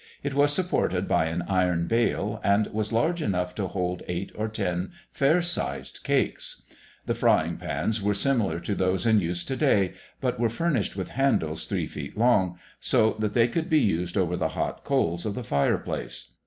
It was supported by an iron bale, and was large enough to hold eight or ten fair sized cakes. The frying pans were similar to those in use to day, but were furnished with handles three feet long, so that they could be used over the hot coals of the fire place.